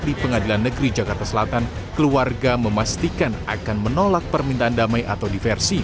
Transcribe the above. di pengadilan negeri jakarta selatan keluarga memastikan akan menolak permintaan damai atau diversi